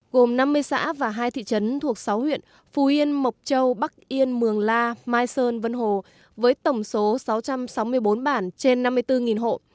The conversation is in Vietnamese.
gồm năm mươi xã và hai thị trấn thuộc sáu huyện phú yên mộc châu bắc yên mường la mai sơn vân hồ với tổng số sáu trăm sáu mươi bốn bản trên năm mươi bốn hộ